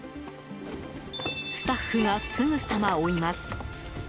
スタッフがすぐさま追います。